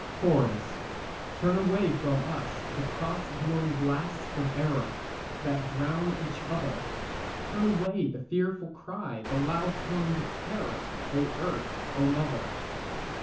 CHORUS Turn away from us the cross blown blasts of error, That drown each other; Turn away the fearful cry, the loud tongued terror, O Earth, O mother.